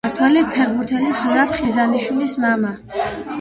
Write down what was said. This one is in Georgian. ქართველი ფეხბურთელის ზურაბ ხიზანიშვილის მამა.